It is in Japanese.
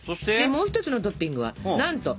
もう一つのトッピングはなんとしょうが！